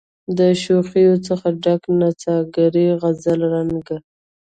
د شوخیو څخه ډکي نڅاګرې غزل رنګه